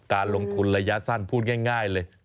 การลงทุนระยะสั้นพูดง่ายเลย